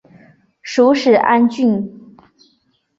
属始安郡。